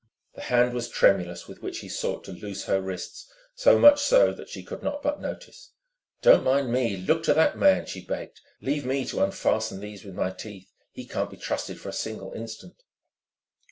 The hand was tremulous with which he sought to loose her wrists, so much so that she could not but notice. "Don't mind me look to that man!" she begged. "Leave me to unfasten these with my teeth. He can't be trusted for a single instant."